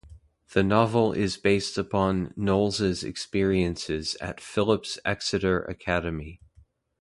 The novel is based upon Knowles's experiences at Phillips Exeter Academy.